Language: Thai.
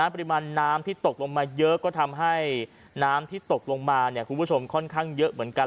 ปริมาณน้ำที่ตกลงมาเยอะก็ทำให้น้ำที่ตกลงมาคุณผู้ชมค่อนข้างเยอะเหมือนกัน